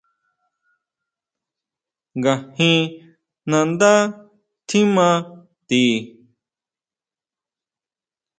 ¿Ngajin nandá tjima ti?